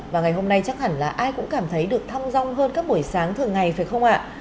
và ngày hôm nay chắc hẳn là ai cũng cảm thấy được thăm rong hơn các buổi sáng thường ngày phải không ạ